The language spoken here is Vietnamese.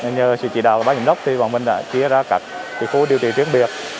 nhờ sự chỉ đạo và bác giám đốc thì bọn mình đã chia ra cặp khu điều trị riêng biệt